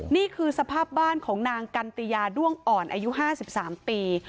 นี่คือสภาพบ้านของนางกันติยาด้วงอ่อนอายุ๕๓ปี